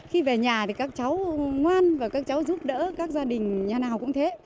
khi về nhà thì các cháu ngoan và các cháu giúp đỡ các gia đình nhà nào cũng thế